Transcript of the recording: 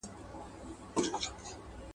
آیا سوله تر جګړې ارامه ده؟